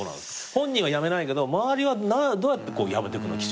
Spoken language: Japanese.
本人は辞めないけど周りはどうやって辞めてくの？